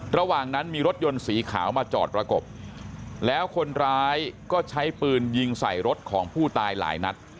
ระหว่างนั้นมีรถยนต์สีขาวมาจอดประกบแล้วคนร้ายก็ใช้ปืนยิงใส่รถของผู้ตายหลายนัด